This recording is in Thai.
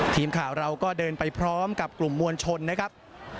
ทีมข่าวเราก็เดินไปพร้อมกับกลุ่มมวลชนนะครับ